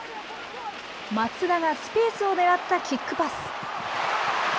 松田がスペースを狙ったキックパス。